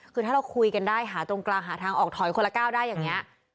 คือถ้าเราคุยกันได้หาตรงกลางหาทางออกถอยคนละก้าวได้อย่างนี้